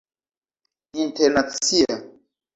internacia